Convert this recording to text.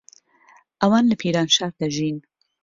ئەوان لە پیرانشار دەژین.